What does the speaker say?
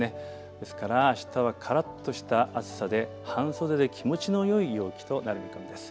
ですからあしたはからっとした暑さで半袖で気持ちのよい陽気となる見込みです。